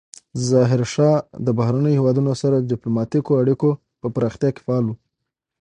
ظاهرشاه د بهرنیو هیوادونو سره د ډیپلوماتیکو اړیکو په پراختیا کې فعال و.